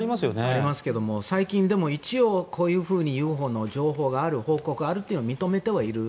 ありますけど最近でも、こういうふうにＵＦＯの報告があるというのを認めてはいる。